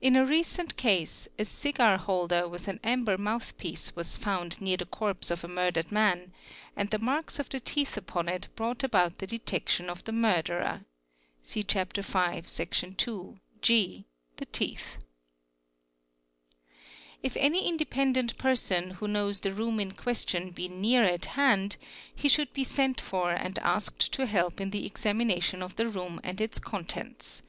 In a recent case a cigar holder with an =) a Y | ememee f Timm PA | a Pee amber mouth piece was found near the corpse of a murdered man and ve marks of the teeth upon it brought about the detection of the 4 urderer (see chapter V, section 11, (g) ;."" The Teeth''). _ If any independent person who knows the room in question be near end he should be sent for and asked to help in the examination of he room and its contents.